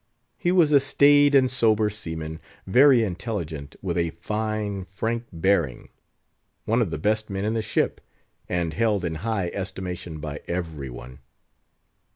He was a staid and sober seaman, very intelligent, with a fine, frank bearing, one of the best men in the ship, and held in high estimation by every one.